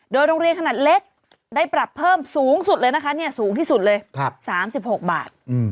โดยโรงเรียนขนาดเล็กได้ปรับเพิ่มสูงสุดเลยนะคะสูงที่สุดเลย๓๖บาท